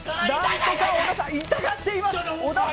小田さん、痛がっています。